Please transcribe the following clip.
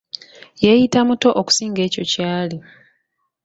Yeeyita muto okusinga ekyo ky'ali.